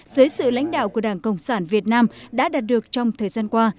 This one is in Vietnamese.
dưới sự lãnh đạo của đảng cộng sản việt nam đã đạt được trong thời gian qua